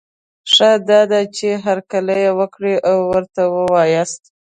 ښه دا ده، چي هرکلی یې وکړی او ورته وواياست